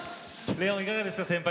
レオンいかがですか？